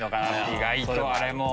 意外とあれも。